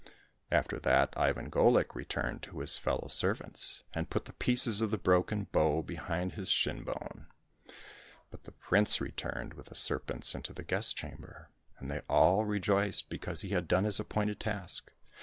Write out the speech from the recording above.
" After that Ivan Golik returned to his fellow servants, and put the pieces of the broken bow behind his shin bone ; but the prince returned with the serpents into the guest chamber, and they all rejoiced because he had done his appointed task.